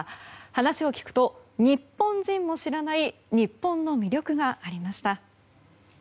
話を聞くと日本人も知らない日本の魅力がありました。